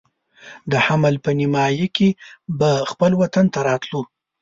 د حمل په نیمایي کې به خپل وطن ته راتلو.